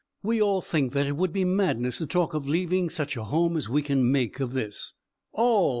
We all think that it would be madness to talk of leaving such a home as we can make of this." "All!"